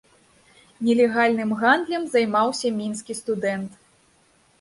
Нелегальным гандлем займаўся мінскі студэнт.